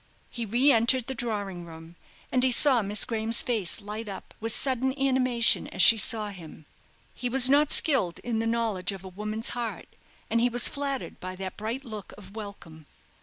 He re entered the drawing room, and he saw Miss Graham's face light up with sudden animation as she saw him. He was not skilled in the knowledge of a woman's heart, and he was flattered by that bright look of welcome.